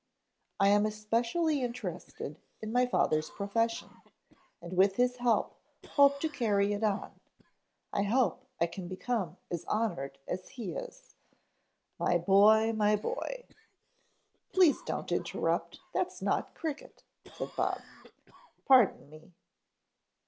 I am especially interested in my father's profession and with his help hope to carry it on I hope I can become as honored as he is " "My boy, my boy " "Please don't interrupt. That's not cricket," said Bob. "Pardon me."